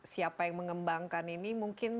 siapa yang mengembangkan ini mungkin